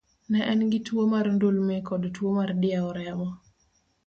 Ne en gi tuwo mar ndulme kod tuwo mar diewo remo.